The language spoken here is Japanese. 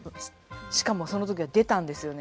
しかもその時は出たんですよね。